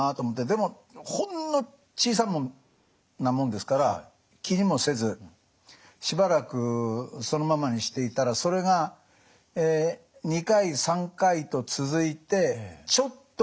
でもほんの小さなもんですから気にもせずしばらくそのままにしていたらそれが２回３回と続いてちょっとにじむようになったの。